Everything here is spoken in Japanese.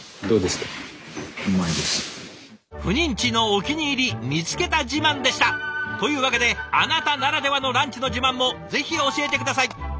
赴任地のお気に入り見つけた自慢でした！というわけであなたならではのランチの自慢もぜひ教えて下さい！